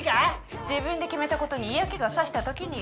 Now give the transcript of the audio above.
自分で決めたことに嫌気がさした時に。